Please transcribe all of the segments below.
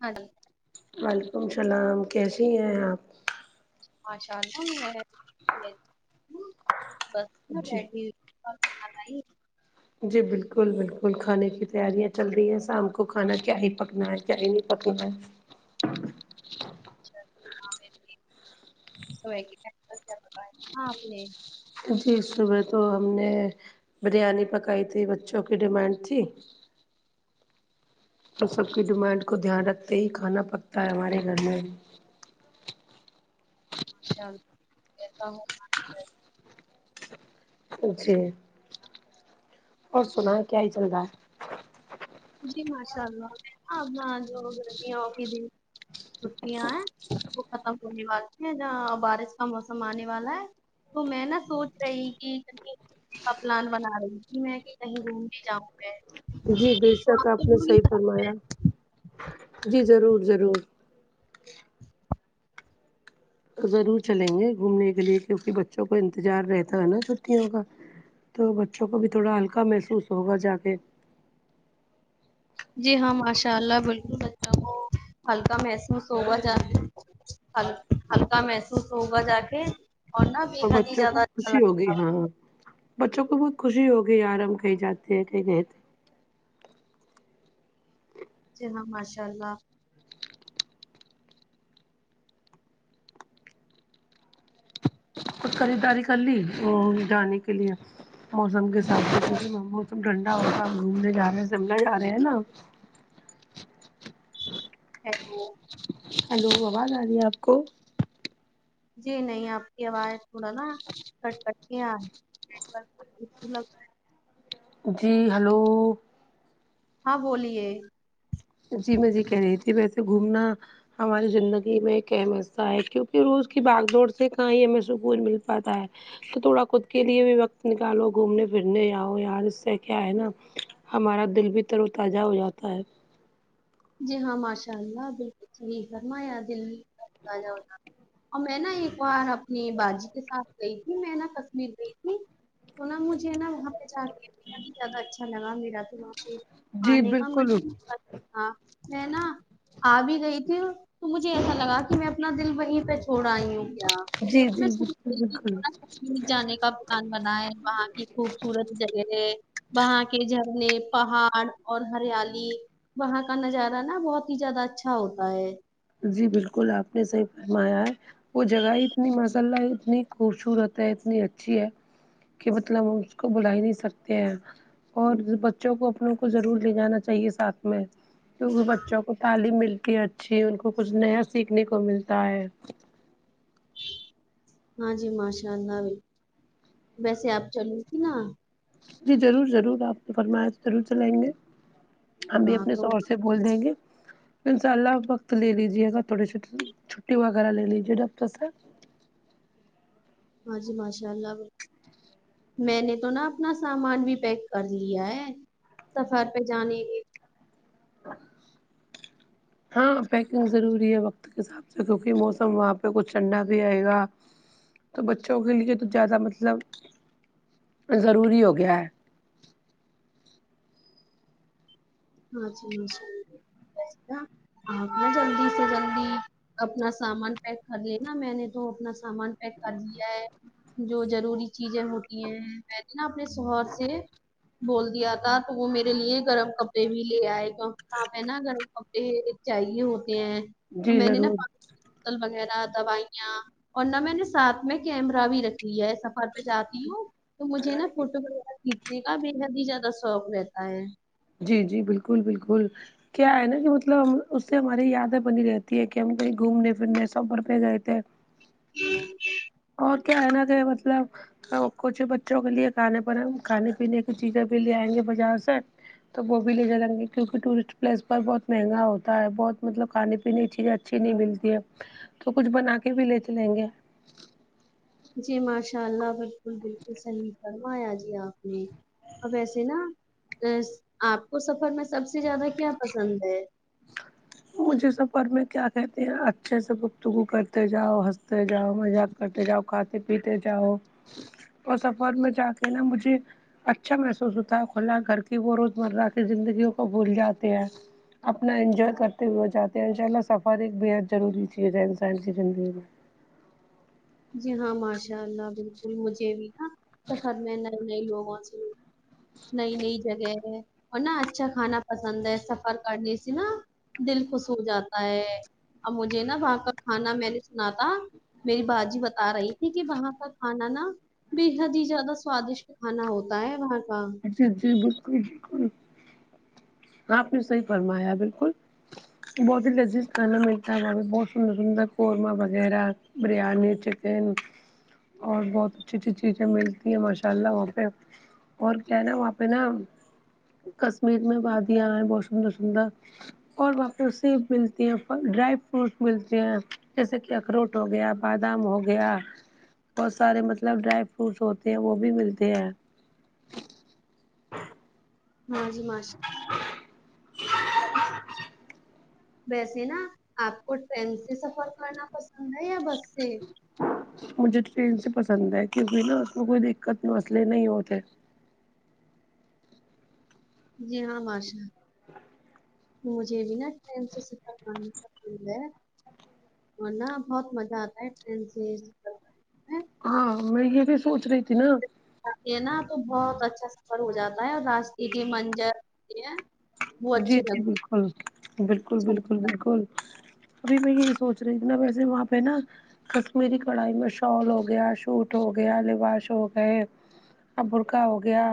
ہاں جی وعلیکم السلام کیسی ہیں آپ ماشاء اللہ میں بس میں جی بیٹھی ہو اور کھانا کھائی جی بالکل بالکل کھانے کی تیاریاں چل رہی ہیں شام کو کھانا کیا ہی پکنا ہے کیا ہی پکنا ہے اں [unintelligible] جی صبح تو ہم نے بریانی پکائی تھی بچوں کی ڈیمانڈ تھی تو سب کی ڈیمانڈ کو دھیان رکھتے ہی کھانا پکتا ہے ہمارے گھر میں اچھا [unintelligible] جی اور سنائیں کیا ہی چل رہا ہے جی ماشاء اللہ ہاں جو گرمیوں کے دن چھٹیاں ہیں وہ ختم ہونے والی ہے یہاں بارش کا موسم آنے والا ہے تو میں نا سوچ رہی کی ا پلان بنا رہی تھی میں کہ کہیں گھومنے جاؤں میں جی بے تو شک آپ نے چلو گی صحیح ساتھ میں فرمایا جی ضرور ضرور ضرور چلیں گے گھومنے کے لیے کیونکہ بچوں کو انتظار رہتا ہے نا چھٹیوں کا تو بچوں کو بھی تھوڑا ہلکا محسوس ہوگا جا کے جی ہاں ماشاء اللہ بالکل بچوں کو ہلکا محسوس ہوگا جاکے ہل ہلکا محسوس ہوگا جا کے اورا بی اور خد ہی بچوں زدہ کو اچھا خوشی لگتا ہوگی [unintelligible] ہاں بچوں کو بہت خوشی ہوگی یار ہم کہیں جاتے ہیں کہیں کہتے ہیں جی ہاں ماشاء اللہ کچھ خریداری کر لی جانے کے لیے موسم کے موسم ٹھنڈا ہوتا گھومنے جا رہے ہیں شملا جا رہے ہیں نا ہیلو ہیلو آواز آ رہی ہے آپ کو جی نہیں آپ کی آواز تھوڑا نا کٹ کٹ کے آ [unintelligible] اس لگا جی ہیلو ہاں بولیے جی میں جی کہہ رہی تھی ویسے گھومنا ہماری زندگی میں ایک اہم حصہ ہے کیونکہ روز کی بھگ دوڑ سے کہیں ہمیں سکون مل پاتا ہے تو تھوڑا خود کے لیے بھی وقت نکالو گھومنے پھرنے آؤ یار اس سے کیا ہے نا ہمارا دل بھی تر و تازہ ہو جاتا ہے جی ہاں ماشاء اللہ بالکل صحیح فرمایا ہی دل اور میں نا ایک بار اپنی باجی کے ساتھ گئی تھی میں نا کشمیر گئی تھی تونا مجھے نا وہاں پہ جا کے بہت ہی زیادہ اچھا لگا میرا تو وہاں سے جی آنے کا من بالکل ہی نہیں کرتا ہاں میں نا آ بھی گئی تھی تو مجھے ایسا لگا کہ میں اپنا دل وہیں پہ چوڑ آئی ہوں کیا جی اس جی بالکل بالکل نا کشمیر جانے کا [unintelligible] مکان بنا ہے وہاں کی خوبصورت جگہ ہے وہاں کے جھرنے پہاڑ اور ہریالی وہاں کا نظارہ نا بہت ہی زیادہ اچھا ہوتا ہے جی بالکل آپ نے صحیح فرمایا ہے وہ جگہ اتنی ماشاء اللہ ہے اتنی خوبصورت ہے اتنی اچھی ہے کہ مطلب ہم اس کو بھولا ہی نہیں سکتے ہیں اور بچوں کو اپنوں کو ضرور لے جانا چاہیے ساتھ میں کیونکہ بچوں کو تعلیم ملتی ہے اچھی ان کو کچھ نیا سیکھنے کو ملتا ہے ہاں جی ماشاء اللہ بالکل ویسے آپ چلی تھی نا جی ضرور ضرور آپ نے فرما ضرور چلائیں گے ہم بھی ہاں اپنے تو شوہر سے بول دیں گے ان شاء اللہ وقت لے لیجیے گا تھوڑی سی چھٹ چھٹی وغیرہ لے لیجیے ڈاکٹر سے ہاں جی ماشاء اللہ بالکل میں نے تو نا اپنا سامان بھی پیک کر لیا ہے سفر پہ جانے گے ہاں پیکنگ ضروری ہے وقت کے حساب سے کیونکہ موسم وہاں پہ کچھ ٹھنڈا بھی آئے گا تو بچوں کے لیے تو زیادہ مطلب ضروری ہو گیا ہے ہاں جی جی آپ نا جلدی سے جلدی اپنا سامان پیک کر لے نا میں نے تو اپنا سامان پیک کر لیا ہے جو ضروری چیزیں ہوتی ہیں ویسے نا اپنے شوہر سے بول دیا تھا تو وہ میرے لیے گرم کپ پ بھی لے آئے کیونکہ وہاں پہ نا گرم کپڑے چاہیے ہوتے ہیں اور جی میں نے نا ضرور پ بوتل وغیرہ دوائیاں اور نہ میں نے ساتھ میں کیمرہ بھی رکھ لیا ہے سفر پے جاتی ہوں تو مجھے نا فوٹو وغیرہ کھینچنے کا بے حد ہی زیادہ شوق رہتا ہے جی جی بالکل بالکل کیا ہے نا کہ مطلب ہم اس سے ہماری یادیں بنی رہتی ہے کہ ہم کہیں گھومنے پھرنے سفر پہ گئے تھے اور کیا ہےنا تھ مطلب اور کچھ بچوں کے لیے کھانے پر ہم کھانے پینے کی چیزیں بھی لے آئیں گے بازار سے تو وہ بھی لے جائیں گے کیونکہ ٹورسٹ پلیس پر بہت مہنگا ہوتا ہے بہت مطلب کھانے پینے چیزیں اچھی نہیں ملتی ہے تو کچھ بنا کے بھی لے چلیں گے جی ماشاء اللہ بالکل بالکل صحیح فرمایا جی آپ نے اور ویسے نا اس آپ کو سفر میں سب سے زیادہ کیا پسند ہے مجھے سفر میں کیا کہتے ہیں اچھے سے گفتگو کرتے جاؤ ہنستے جاؤ مزہ کرتے جاؤ کھاتے پیتے جاؤ اور سفر میں جا کے نا مجھے اچھا محسوس ہوتا ہے کھلا گھر کی وہ روز مرہ کی زندگیوں کو بھول جاتے ہیں اپنا انجوائے کرتے ہوئے جاتے ہیں ان شاء اللہ سفر ایک بےحد ضروری چیز ہے انسان کی زندگی میں جی ہاں ماشاء اللہ بالکل مجھے بھی نا سفر میں نئے نئے لوگوں سے می نئی نئی جگہ ہے اور نا اچھا کھانا پسند ہے سفر کرنے سے نا دل خوش ہو جاتا ہے اب مجھے نا وہاں کا کھانا میں نے سنا تھا میری بھان جی بتا رہی تھی کہ وہاں کا کھانا نا بے حد ہی زیادہ سوادشٹ کھانا ہوتا ہے وہاں کا جی جی بالکل بالکل آپ نے صحیح فرمایا بالکل بہت ہی لذیذ کھانا ملتا ہے وہاں بہت سندر سندر قورمہ وغیرہ بریانی چکن اور بہت اچھی اچھی چیزیں ملتی ہیں ماشاء اللہ وہاں پہ اور کیا ہے نا وہاں پہ نا کشمیر میں وادیاں ہے بہت سندر سندر اور واں پر سیب ملتی ہے پ ڈرائی فروٹس ملتی ہیں جیسے کہ اخروٹ ہو گیا بادام ہو گیا بہت سارے مطلب ڈرائی فروٹس ہوتے ہیں وہ بھی ملتے ہیں ہاں جی ماش [unintelligible] ویسے نا آپ کو ٹرین سے سفر کرنا پسند ہے یا بس سے مجھے ٹرین سے پسند ہے کیونکہ نا اس میں کوئی دقت مسلے نہیں ہوتے جی ہاں ماشا مجھے بھی نا ٹرین سے سفر کرنا پسند ہے اور نا بہت مزہ آتا ہے ٹرین سے کرنے میں ہاں میں یہ بھی سوچ رہی تھی نا آ ہیں نا تو بہت اچھا سفر ہو جاتا ہے اور راستے کی منجر ہے جی جی بالکل بالکل اچھا بالکل لگتا ہے بالکل ابھی میں یہی سوچ رہی تھی ویسے وہاں پہ نا کشمیری کڑھائی میں شال ہوگیا سوٹ ہو گیا لباش ہو گئے برقہ ہو گیا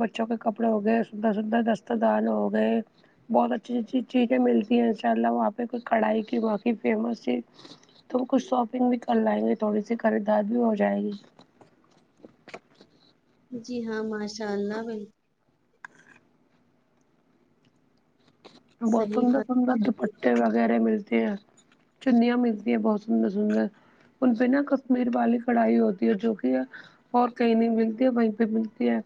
بچوں کے کپڑے ہو گئے سندر سندر دست دان ہو گئے بہت اچھی اچھی چیزیں ملتی ہیں ان شاء اللہ وہاں پہ کوئی کڑھائی کی واں کی فیمس چیز تم کچھ شاپنگ بھی کر لائیں گے تھوڑی سی خریدار بھی ہو جائے گی جی ہاں ماشاء اللہ بال بہت صحیح سندر فرما سندر دوپٹے وغیرہ ملتے ہیں چنیا ملتی ہیں بہت سندر سندر ان سے نا کشمیر والی کڑھائی ہوتی ہے جو کے یہاں اور کہیں نہیں ملتی ہے بیں پے ملتی ہے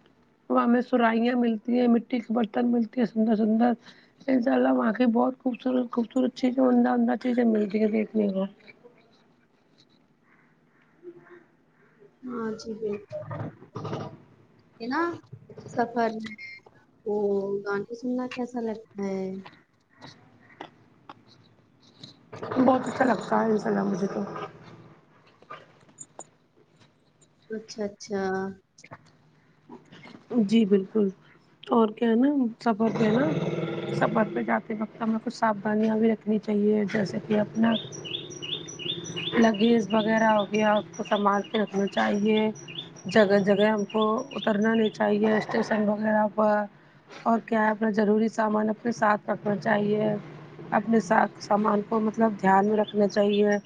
وہاں ہمیں سرائیاں ملتی ہیں مٹی کے برتن ملتے ہے سندر سندر انشاء اللہ وہاقی بہت خوبصورت خوبصورت چیزیں عمدہ عمدہ چیزیں ملتی ہیں دیکھنے کو ہاں جی بالکل یے نا سفر میں او گانے سننا کیسا لگتا ہے بہت اچھا لگتا ہے انشاء اللہ مجھے تو اچھا اچھا جی بالکل اور کیا ہے نا سب اور کیا ہے نا سفر پے جاتے وقت ہمیں کچھ صاف دھانیاں بھی رکھنی چاہیے جیسے کی اپنا لگیز وغیرہ ہو گیا اس کو سنبھال کے رکھنا چاہیے جگہ جگہ ہم کو اترنا نہیں چاہیے اسٹیشن وغیرہ پر اور کیا ہے اپنا ضروری سامان اپنے ساتھ رکھنا چاہیے اپنے ساتھ سامان کو مطلب دھیان میں رکھنا چاہیے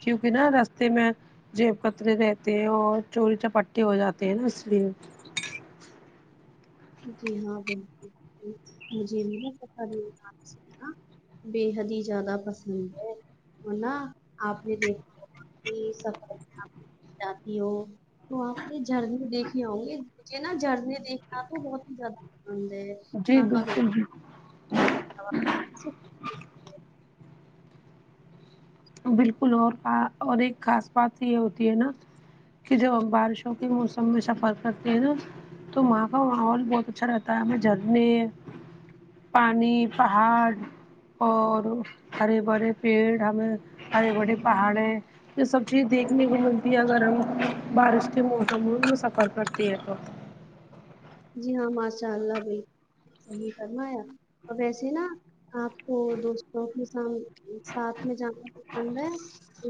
کیونکی نا رستے میں جیب کترے رہتے ہیں اور چوری چپاٹے ہو جاتے ہیں نا اس لیے جی ہاں بالکل مجھے نہیں پتا نہیں تھا سلیقہ بے حد ہی زیادہ پسند ہے اور نے آپ نے دیکھا تو یے سب طریقہ جاتی ہو تو آپ نے جھرنے دیکھے ہوں گے مجھے نا جھرنے دیکھنا کو بہت ہی زیادہ پسند ہے جی وہاں کا بہترین۔ بالکل بھی [inaudible] بالکل اور کہا اور ایک خاص بات یے ہوتی ہے نا کی جب ہم بارشوں کے موسم میں سفر کرتے ہیں نا تو وہاں کا ماحول بہت اچھا رہتا ہے ہمیں جھرنے پانی پہاڑ اور ہرے بھرے پیڑ ہمیں ہرے بھرے پہاڑیں یے سب چیز دیکھنے کو ملتی ہے اگر ہم بارش کے موسم میں تو سفر کرتے ہیں تو جی ہاں ماشاء اللہ بالکل صحیح فرمایا ویسے نا آپ کو دوستوں کے سم ساتھ میں جان نا پسند ہے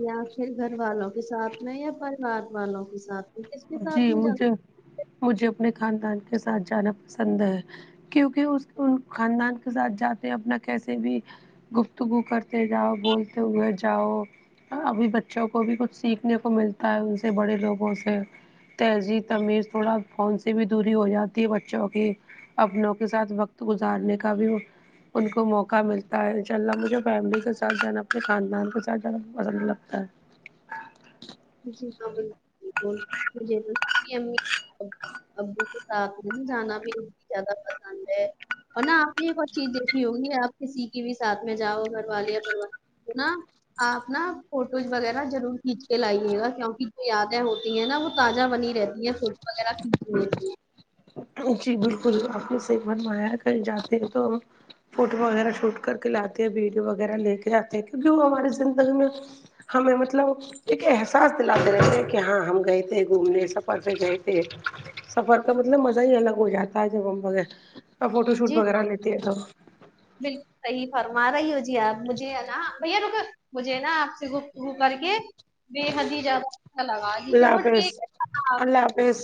یا پھر گھر والوں کے ساتھ میں یا پریوار والوں کے ساتھ میں کس کے جی ساتھ میں جانا مجھے مجھے اپنے خاندان کے ساتھ جانا پسند ہے کیونکی اس ان خاندان کے ساتھ جاتے ہیں اپنا کیسے بھی گفتگو کرتے جاؤ بولتے ہوئے جاؤ ابھی بچوں کو بھی کچھ سیکھنے کو ملتا ہے ان سے بڑے لوگوں سے تہذیب تمیز تھوڑا فون سے بھی دوری ہو جاتی ہے بچوں کی اپنوں کے ساتھ وقت گزارنے کا بھی ان کو موقع ملتا ہے ان شاء اللہ مجھے فیملی کے ساتھ جانا اپنے خاندان کے ساتھ جانا پسند لگتا ہے جی ہاں بالکل بالکل [unintelligible] ابو کےساتھ جانا بھی زیادہ پسند ہے اور نہ آپ نے ایک اور چیز دیکھی ہوگی آپ کسی کی بھی ساتھ میں جاؤ گھر والے یا پریوار تو نا آپ نا فوٹوز وغیرہ ضرور کھینچ کے لایے کیوںکہ جو یادیں ہوتی ہیں نا وہ تازہ بنی رہتی ہیں فوٹو وغیرہ کھینچ جی بالکل آپ نے صحیح فرمایا ہے کہیں جاتے ہیں تو فوٹو وغیرہ شوٹ کر کے لاتے ہیں ویڈیو وغیرہ لے کے آتتے ہیں کیونکہ وہ ہماری زندگی میں ہمیں مطلب ایک احساس دلاتے رہے تھے کہ ہاں ہم گئے تھے گھومنے سفر پے گئے تھے سفر کا مطلب مزہ ہی الگ ہو جاتا ہے جب ہم فوٹو شوٹ جی وغیرہ ہاں لیتے ہیں تو بالکل صحیح فرما رہی ہو جی آپ مجھے نا بھیا روکو مجھے نا آپ سے گپ تگو کر کے بے حد ہی زیادہ اچھا لگا جی چلو ٹھیک ہے آپ بیس